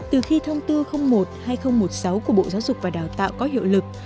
từ khi thông tư một hai nghìn một mươi sáu của bộ giáo dục và đào tạo có hiệu lực